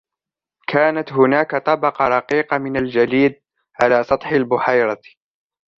كانت هناك طبقة رقيقة من الجليد على سطح البحيرة.